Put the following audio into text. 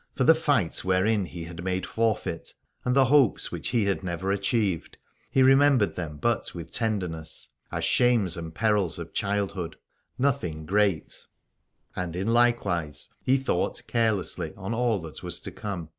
For the fights wherein he had made forfeit and the hopes which he had never achieved, he remembered them but with tenderness, as shames and perils of childhood, nothing great : and in likewise he thought carelessly on all that was to come.